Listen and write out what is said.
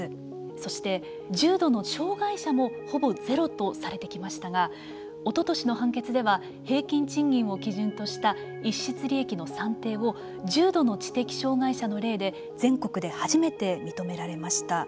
そして、重度の障害者もほぼゼロとされてきましたがおととしの判決では平均賃金を基準とした逸失利益の算定を重度の知的障害者の例で全国で初めて認められました。